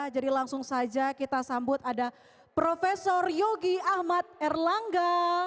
jadi langsung saja kita sambut ada profesor yogi ahmad erlangga